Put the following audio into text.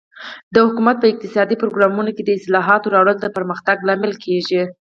د حکومت په اقتصادي پروګرامونو کې د اصلاحاتو راوړل د پرمختګ لامل کیږي.